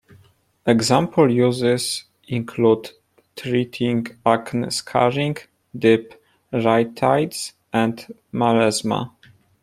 Example uses include treating acne scarring, deep rhytides, and melasma.